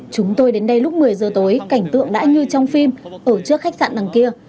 chúng tôi đến đây lúc một mươi giờ tối cảnh tượng đã như trong phim ở trước khách sạn đằng kia